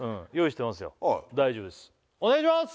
お願いします！